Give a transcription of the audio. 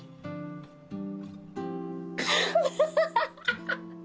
ハハハッ！